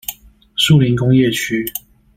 樹林工業區